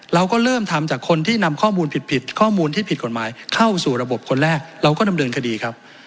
เราก็เริ่มทำจากคนที่นำข้อมูลผิดข้อมูลที่ผิดกฎหมายเข้าสู่ระบบคนแรกเราก็ดำเนินคดีครับ